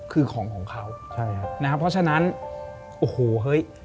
คือของของเขาใช่ครับนะครับเพราะฉะนั้นโอ้โหเฮ้ย